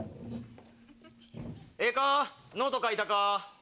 ええかノート書いたか？